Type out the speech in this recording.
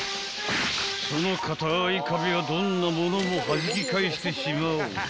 ［そのかたい壁はどんなものもはじき返してしまう］